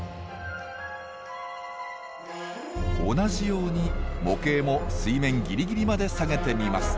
同じように模型も水面ギリギリまで下げてみます。